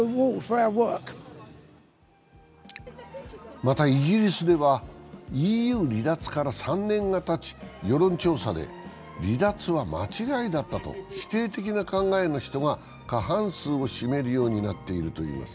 また、イギリスではＥＵ離脱から３年がたち、世論調査で、離脱は間違いだったと否定的な考えの人が過半数を占めるようになっているといます。